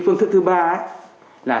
phương thức thứ ba là